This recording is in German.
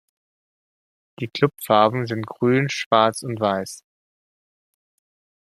Die Klubfarben sind grün, schwarz und weiss.